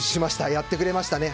やってくれましたね。